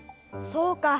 そうか。